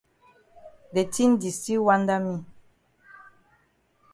De tin di still wanda me.